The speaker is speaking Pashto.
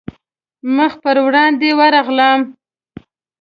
مخ پر وړاندې ورغلم.